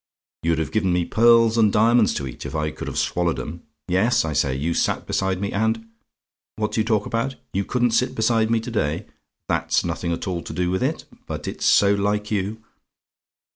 You'd have given me pearls and diamonds to eat if I could have swallowed 'em. Yes, I say, you sat beside me, and What do you talk about? "YOU COULDN'T SIT BESIDE ME TO DAY? "That's nothing at all to do with it. But it's so like you.